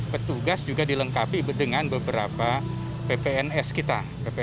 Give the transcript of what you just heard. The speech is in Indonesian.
petugas juga dilengkapi dengan beberapa ppns kita